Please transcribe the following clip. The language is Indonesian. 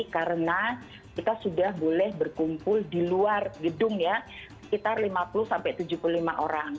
karena kita sudah boleh berkumpul di luar gedung ya sekitar lima puluh sampai tujuh puluh lima orang